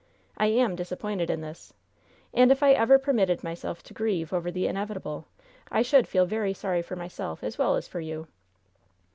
I am disappointed in this. And if I ever permitted myself to grieve over the inevitable, I should feel very sorry for myself as well as for you!"